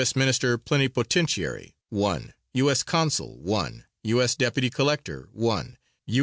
Minister Plenipotentiary, 1 U.S. Consul, 1 U.S. Deputy Collector, 1 U.